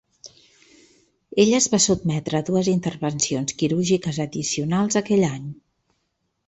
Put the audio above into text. Ell es va sotmetre a dues intervencions quirúrgiques addicionals aquell any.